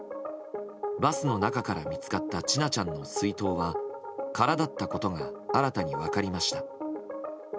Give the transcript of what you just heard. バスの中から見つかった千奈ちゃんの水筒は空だったことが新たに分かりました。